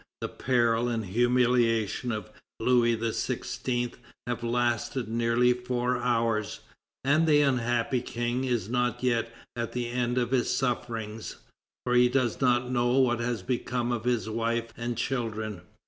The peril and humiliation of Louis XVI. have lasted nearly four hours, and the unhappy King is not yet at the end of his sufferings, for he does not know what has become of his wife and children.